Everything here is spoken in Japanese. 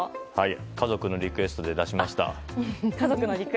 家族のリクエストで出しました。